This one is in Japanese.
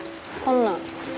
こんなん。